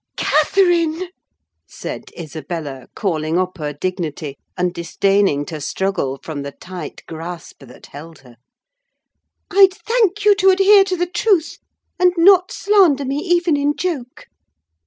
"Catherine!" said Isabella, calling up her dignity, and disdaining to struggle from the tight grasp that held her, "I'd thank you to adhere to the truth and not slander me, even in joke!